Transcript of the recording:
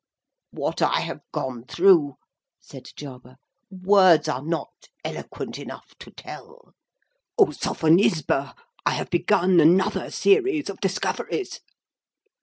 "What I have gone through," said Jarber, "words are not eloquent enough to tell. O Sophonisba, I have begun another series of discoveries!